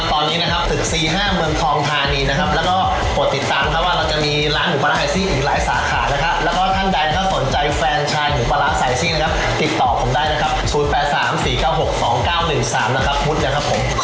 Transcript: ขอบคุณน้องเป็นนูกับพี่วุฒิมาก